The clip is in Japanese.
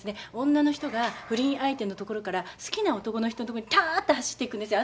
女の人が不倫相手のところから好きな男の人んとこにたーって走っていくんです。